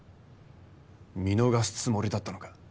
見逃すつもりだったのか？